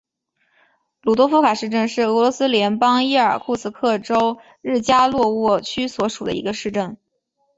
鲁多夫卡市镇是俄罗斯联邦伊尔库茨克州日加洛沃区所属的一个市镇。